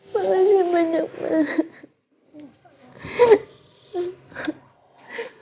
makasih banyak mak